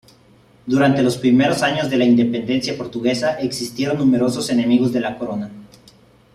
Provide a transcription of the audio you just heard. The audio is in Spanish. Durante los primeros años de la independencia portuguesa, existieron numerosos enemigos de la corona.